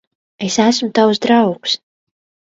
Es esmu tavs draugs.